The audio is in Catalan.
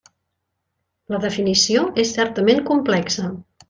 La definició és certament complexa.